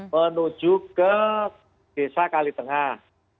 menuju ke desa kalitengah